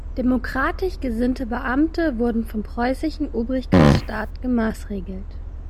Demokratisch gesinnte Beamte wurden vom preußischen Obrigkeitsstaat gemaßregelt.